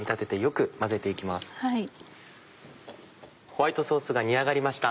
ホワイトソースが煮上がりました。